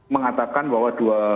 mengatakan bahwa dua